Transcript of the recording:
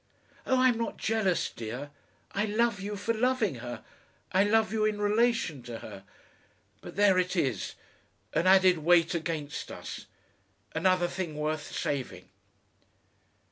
Oh, I'm not jealous, dear. I love you for loving her. I love you in relation to her. But there it is, an added weight against us, another thing worth saving."